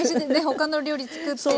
他の料理つくって。